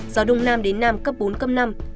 gió đông nam đến nam cấp bốn cấp năm